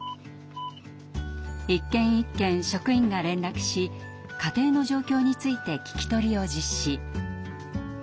一軒一軒職員が連絡し家庭の状況について聞き取りを実施。